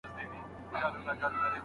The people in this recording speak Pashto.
په الفاظو پورې کوم شرطونه اړه لري؟